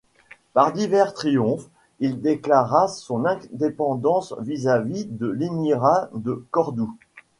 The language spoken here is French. Par divers triomphes, il déclara son indépendance vis-à-vis de l’émirat de Cordoue.